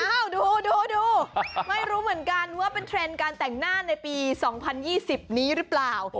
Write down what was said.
ดูดูไม่รู้เหมือนกันว่าเป็นเทรนด์การแต่งหน้าในปี๒๐๒๐นี้หรือเปล่า